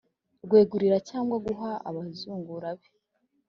Kwegurira cyangwa guha abazungura be